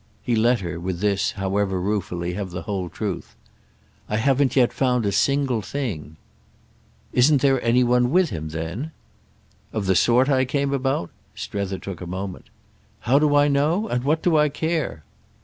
He let her, with this, however ruefully, have the whole truth. "I haven't yet found a single thing." "Isn't there any one with him then?" "Of the sort I came out about?" Strether took a moment. "How do I know? And what do I care?"